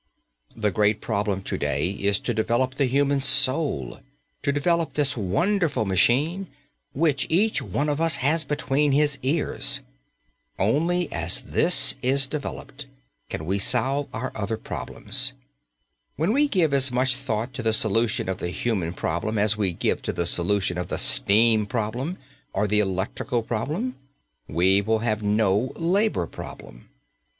The great problem to day is to develop the human soul, to develop this wonderful machine which each one of us has between his ears. Only as this is developed can we solve our other problems. When we give as much thought to the solution of the human problem as we give to the solution of the steam problem or the electrical problem, we will have no labour problem.